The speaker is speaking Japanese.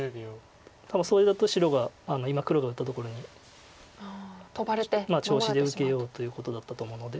ただそれだと白が今黒が打ったところに調子で受けようということだったと思うので。